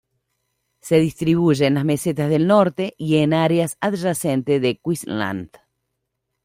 Se distribuye en las Mesetas del Norte y en áreas adyacentes de Queensland.